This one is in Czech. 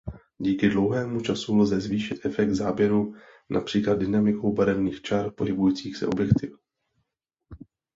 Díky dlouhému času lze zvýšit efekt záběru například dynamikou barevných čar pohybujících se objektů.